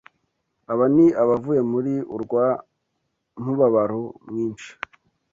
Aba ni abavuye muri urwa mubabaro mwinshi,